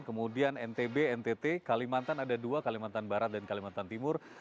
kemudian ntb ntt kalimantan ada dua kalimantan barat dan kalimantan timur